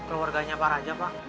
keluarganya pak rajab pak